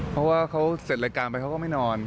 เพราะว่าเขาเสร็จรายการไปเขาก็ไม่นอน